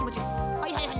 はいはいはい。